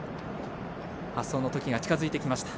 発走のときが近づいてきました。